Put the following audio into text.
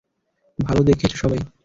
ভালো দেখিয়েছ সবাই।